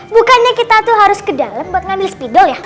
bukannya kita tuh harus ke dalam buat ngambil spidol ya